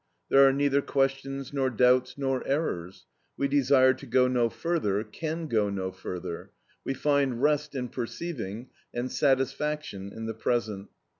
There are neither questions nor doubts nor errors; we desire to go no further, can go no further; we find rest in perceiving, and satisfaction in the present.